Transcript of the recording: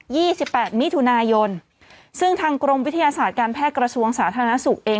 สิบแปดมิถุนายนซึ่งทางกรมวิทยาศาสตร์การแพทย์กระทรวงสาธารณสุขเอง